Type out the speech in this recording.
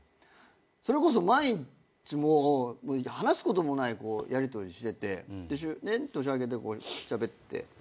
それこそ毎日話すこともないやりとりしてて年明けてしゃべって。